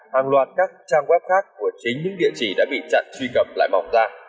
hàng loạt các trang web khác của chính những địa chỉ đã bị chặn truy cập lại bỏng ra